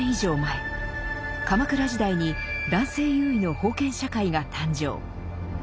鎌倉時代に男性優位の封建社会が誕生。